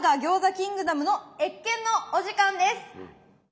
キングダムの謁見のお時間です。